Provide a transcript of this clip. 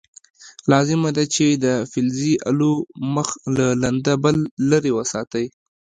لازمه ده چې د فلزي الو مخ له لنده بل لرې وساتئ.